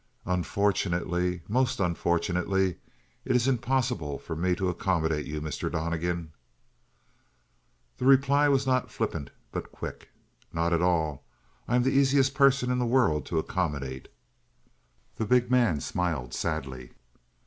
"Unfortunately most unfortunately, it is impossible for me to accommodate you, Mr. Donnegan." The reply was not flippant, but quick. "Not at all. I am the easiest person in the world to accommodate." The big man smiled sadly.